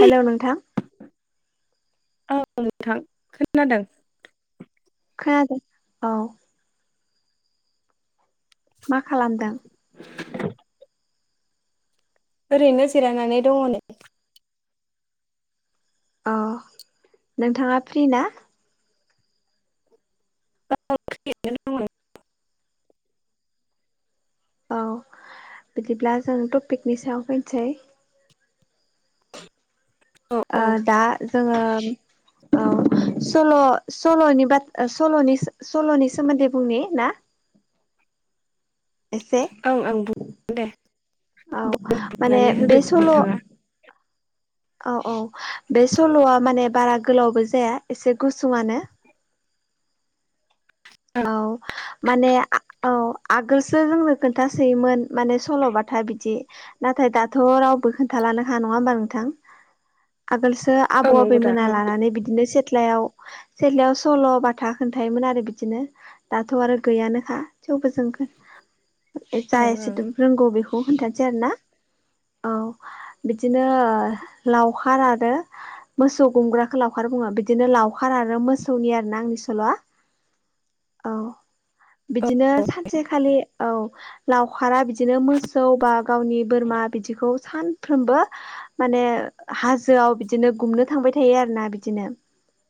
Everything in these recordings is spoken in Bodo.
हेलौ नोंथां। औ [inaudible] नोंथां खोनादों। खोनादों औ मा खालामदों ओरैनो जिरायनानै दङनो अ नोंथाङा फ्रि ना? [unintelligible] औ बिदिब्ला जों टपिकनि सायाव फैनोसै औ ओ औ दा जोङो औ सल' सल'नि बाथ सल'नि सो सोमोन्दै बुंनि ना एसे ओं आं बुं [inaudible] दे औ माने [inaudible] होदो नोंथाङा। औ-औ बे सल'आ माने बारा गोलावबो जाया एसे गुसुंआनो। ओं औ माने औ आगोलसो जोंनो खोन्थासोयोमोन माने सल'बाथा बिदि नाथाय दाथ' रावबो खोन्थालानो खा नङा होमबा नोंथां आगोलसो औ आबौ नंगौ दा आबैमोना ओं लानानै बिदिनो सेथ्लायाव सेथ्लायाव सल' बाथा खोन्थायोमोन आरो बिदिनो। दाथ' आरो गैयानोखा थेवबो जों जा एसे ओं दोम रोंगौ बेखौ खोनथानोसै आरो ना औ बिदिनो लाव खार आरो मोसौ गुमग्राखो लावखार बुङो बिदिनो लावखार आरो मोसौनि आरो ना आंनि सल'आ। औ बिदिनो सानसेखालि औ। लावखारा बिदिनो मोसौ बा गावनि बोरमा बिदिखौ सानफ्रोमबो माने हाजोआव बिदिनो गुमनो थांबाय थायो आरो ना बिदिनो।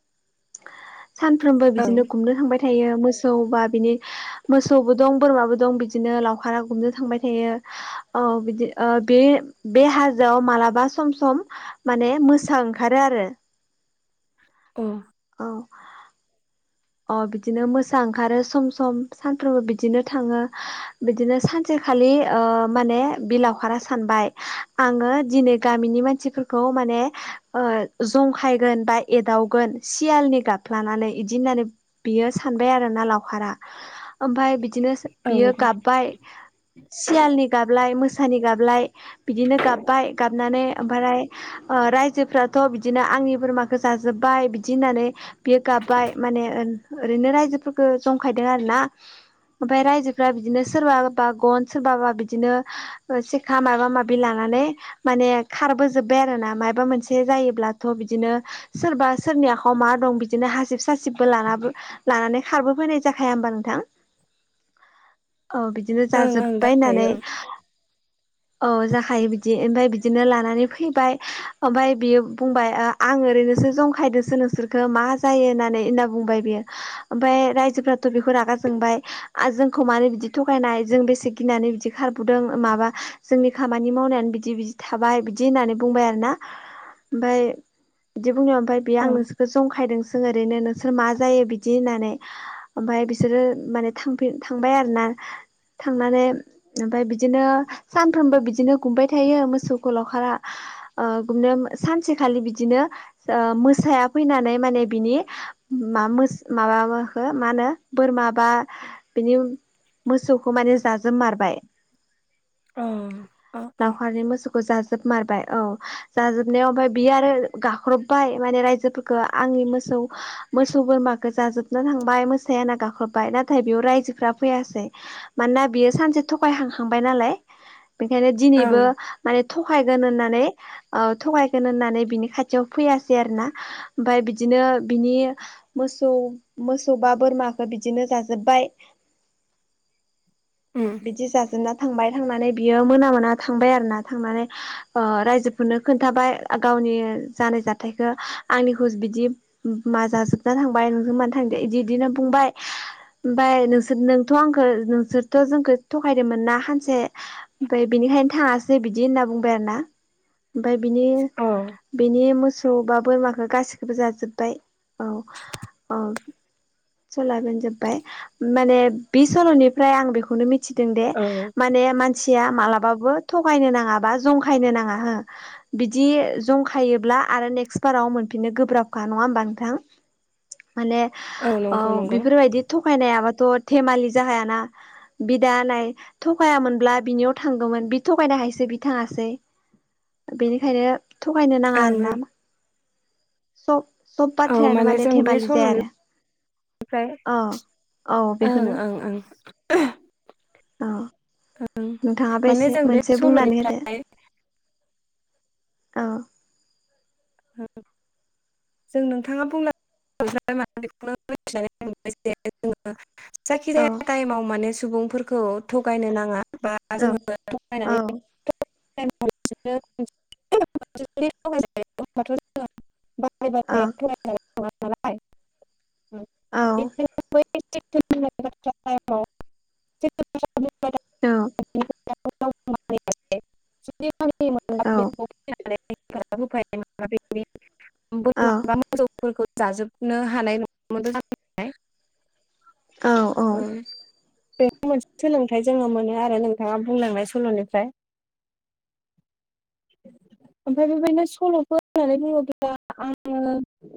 [inaudible] सानफ्रोमबो ओं बिदिनो गुमनो थांबाय थायो। मोसौ बा बिनि मोसौबो दं बोरमाबो दं बिदिनो लावखारा गुमनो थांबाय थायो। औ बिदि ओ बे-बे हाजोआव मालाबा सम-सम माने मोसा ओंखारो आरो। अ। औ। अ बिदिनो मोसा ओंखारो सम-सम सानफ्रोमबो बिदिनो थाङो। बिदिनो सानसेखालि ओ माने बि लावखारा सानबाय आङो दिनै गामिनि मानसि फोरखौ माने ओ जंखायगोन बा एदावगोन सियालनि गाबफ्लानानै इदि होननानै बियो सानबाय आरोना लावखारा ओमफाय बिदिनो स अ ओं बियो नंगौ। गाबबाय सियालनि गाबलाय मोसानि गाबलाय बिदिनो गाबबाय गाबनानै ओमफ्राय ओ रायजोफ्राथ' बिदिनो आंनि बोरमाखौ जाजोब्बाय बिदि होननानै बियो गाब्बाय माने ओ-ओरैनो रायजोफोरखौ जंखायदों आरोना। ओमफ्राय रायजोफ्रा बिदिनो सोरबाबा गन सोरबाबा बिदिनो ओ सेखा माबा माबि लानानै माने खारबोजोबबाय आरो ना माबा मोनसे जायोब्लाथ' बिदिनो सोरबा सोरनि आखायाव मा दं बिदिनो हासिब सासिबबो लानाबो लानानै खारबोफैनाय जाखाया होमबा नोंथां औ बिद दिनो ओं ओं जाजोब्बाय होननानै जाखायो औ जाखायो बिदि ओमफाय बिदिनो लानानै फैबाय ओमफाय बियो बुंबाय आं ओरैनोसो जंखायदोसो नोंसोरखो मा जायो होननानै होनना बुंबाय बियो ओमफाय रायजोफोराथ' बेखौ रागा जोंबाय जोंखौ मानो बिदि थगायनाय जों बेसे गिनानै बिदि खारबोदों माबा जोंनि खामानि मावनायानो बिदि बिदि थाबाय बिदि होननानै बुंबाय आरोना ओमफाय बिदि बुंनायाव ओमफाय बेयो आं ओं नोसोर खो जंखायदोंसों ओरैनो नोंसोर मा जायो बिदि होननानै ओमफाय बिसोरो माने थांफिन थांबाय आरो ना थांनानै ओमफाय बिदिनो सानफ्रोमबो बिदिनो गुमबाय थायो मोसौखौ लावखारा ओ गुमनो सानसेखालि बिदिनो ओ मोसाया फैनानै माने बिनि मा मोस माबाबोखौ मा होनो बोरमा बा बिनि मोसौखौ माने जाजोब मारबाय अ अ अ लावखारनि मोसौखौ जाजोबमारबाय औ जाजोबनायाव ओमफाय बियो आरो गाख्रबबाय माने रायजोफोरखौ आंनि मोसौ मोसौ बोरमाखौ जाजोबना थांबाय मोसाया होनना गाख्रबबाय नाथाय बेयाव रायजोफ्रा फैयासै मानोना बियो सानसे थगायखांखांबाय नालाय बेखायनो ओं दिनैबो माने थगायगोन होननानै ओ थगायगोन होननानै बिनि खाथियाव फैयासै आरो ना। ओमफफ्राय बिदिनो बिनि मोसौ मोसौ बा बोरमाखो बिदिनो जाजोब्बाय उम बिदि जाजोबना थांबाय थांनानै बियो मोना मोना थांबाय आरो ना थांनानै रायजो खौनो खोन्थाबाय गावनि जानाय जाथायाइखौ आंनिखौ बिदि मा जाजोबना थांबाय नोंजों मानो थांदो बिदि बिदिनो बुंबाय ओमफफ्राय नोंसोर नोंथ' आंखौ नोंसोरथ' जोंखौ थगायदोंमोन ना सानसे ओमफफ्राय बिनिखायनो थाङासै बिदि होनना बुंबाय आरोना ओमाय बिनि अ बेनि मोसौ बा बोरमाखौ गासैखौबो जाजोब्बाय औ औ सलाबोन जोबबाय माने बे सल'निफ्राय आं बेखौ नो मिथि दोंदे औ माने म मानसिया मालाबाबो थगायनो नाङा बा जंखायनो नाङा हो बिदि जंखायोब्ला आरो नेक्स्ट बाराव मोनफिननो गोब्राबखा नङा होमबा नोंथां? माने औ नंगौ नंगौ बेफोरबायदि थगायनायाबाथ' धेमालि जाखायाना बिदा नाय थगायामोनब्ला बिनियाव थांगौमोन बि थगायनो हायसो बि थाङासै बेनिखायनो थगायनो नाङा ओं आरो ओं ना सब- सब बाथ्रायानो माने धेमालि जाया आरो ओमफ्राय औ औ ओं बेखौनो ओं ओं औ ओं नोंथाङाबो माने एसे जों बे मोनसे बुंनानै होदो सल'निफ्राय औ [unintelligible] जों नोंथाङा बुं म बेखौनोथिनानैे जोङ [unintelligible] औ जाखिजाया टाइमाव माने सुबुंफोरखौ थगायनो नाङा बा द जों औ औ गोनायनानै [unintelligible] [unintelligible] औ औ [unintelligible] [unintelligible] औ [unintelligible] [unintelligible] औ जाजोबनो हानाय नङाम [unintelligible] औ [unintelligible] सोलोंथाइ जोङो मोनो आरो नोंथाङा बुंलांनाय सल'निफ्राय। ओमफ्राय बेबायदिनो सल'फोर होननानै बुङोब्ला ओ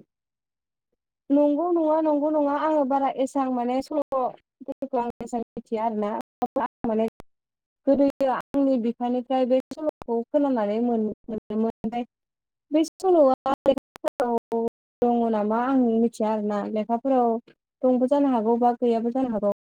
नंगौ नङा नंगौ नङा आङो बारा एसबां माने सल' आंस मिथिया आरो ना माने गोदोयो आंनि बिफानिफ्राय बे सल'खौ खोनानानै मोनदोंमोन। ओमफ्राय बे सल'आ लेखाफोराव दङ नामा? आं मिथिया आर ना लेखाफोराव दंबो जानो हागौ बा गैयाबो जानो हागौ?